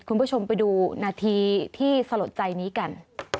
คุณผู้ชมไปดูนาทีที่สลดใจนี้กัน